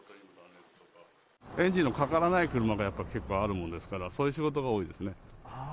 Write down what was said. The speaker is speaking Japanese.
エンジンのかからない車がやっぱ結構あるもんですから、そういう仕事が多いですね。